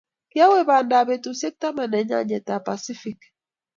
Kiawe panda ab betusiek taman eng nyajet ab Pacific